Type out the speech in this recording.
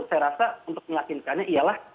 saya rasa untuk meyakinkannya ialah